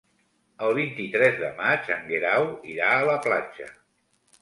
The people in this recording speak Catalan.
El vint-i-tres de maig en Guerau irà a la platja.